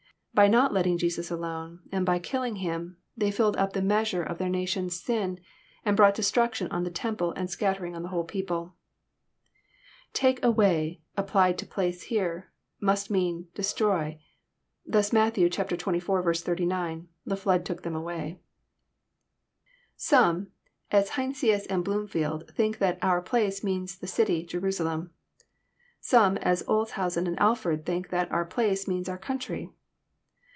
By not letting Jesus alone, and by killiug Him, they filled up the measure of their nation's sin, and brought destrucidon on the temple, and scattering on the whole people. '* Take away," applied to place here, must mean *< destroy." 'rhus Ma»U xziv. 89 :" The flood took them all away." Some, as Heinsius and Bloomfleld, think that *' Our place means the chy, Jerusalem. Some, as 01t»hansen and Alford, think that '< our place" means "our country.